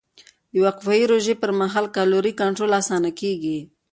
د وقفهيي روژې پر مهال کالوري کنټرول اسانه کېږي.